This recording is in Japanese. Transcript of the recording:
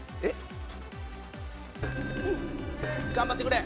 頑張ってくれ！